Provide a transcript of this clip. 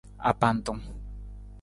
Apantung.